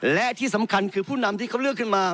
และที่สำคัญคือผู้นำที่เขาเลือกขึ้นมา